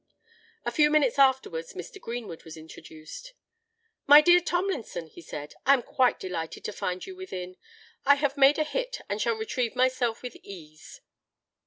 A few minutes afterwards Mr. Greenwood was introduced. "My dear Tomlinson," he said, "I am quite delighted to find you within. I have made a hit, and shall retrieve myself with ease.